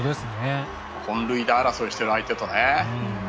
本塁打争いをしている相手とね。